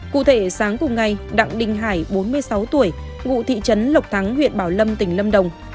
cụ thể sáng cùng ngày đặng đình hải bốn mươi sáu tuổi ngụ thị trấn lộc thắng huyện bảo lâm tỉnh lâm đồng